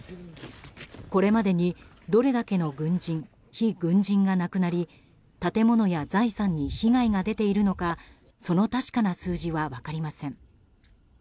これまでに、どれだけの軍人非軍人が亡くなり建物や財産に被害が出ているのかその確かな数字は分かりません。